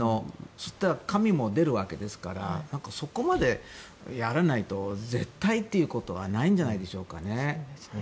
そうしたら紙も出るわけですからそこまでやらないと絶対ということはないんじゃないでしょうかね。